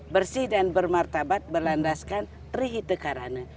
bersih dan bermartabat berlandaskan trihite karana